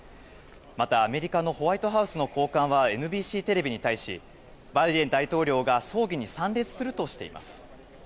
また、アメリカのホワイトハウスの高官はＮＢＣテレビに対しバイデン大統領が葬儀に参列するとしています。